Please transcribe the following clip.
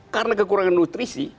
karena kekurangan nutrisi